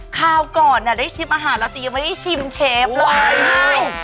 คราวก่อนได้ชิมอาหารแล้วแต่ยังไม่ได้ชิมเชฟเลย